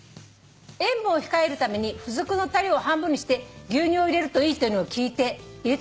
塩分を控えるために付属のたれを半分にして牛乳を入れるといいというのを聞いて入れてみました」